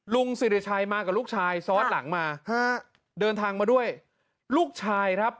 ลุงสิริชัยมากับลูกชายซ้อนหลังมาฮะเดินทางมาด้วยลูกชายครับ